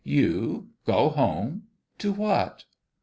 "You go home! To what?"